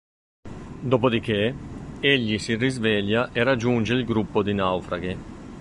Dopodiché, egli si risveglia e raggiunge il gruppo di naufraghi.